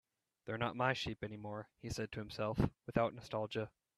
"They're not my sheep anymore," he said to himself, without nostalgia.